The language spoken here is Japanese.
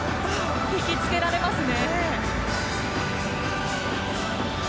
引きつけられますね。